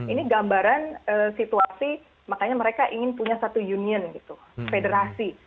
ini gambaran situasi makanya mereka ingin punya satu union gitu federasi